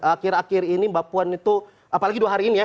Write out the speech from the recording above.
akhir akhir ini mbak puan itu apalagi dua hari ini ya